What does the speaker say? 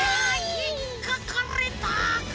ひっかかれた。